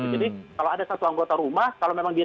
jadi kalau ada satu anggota rumah kalau memang dia